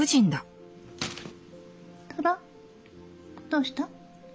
どうした？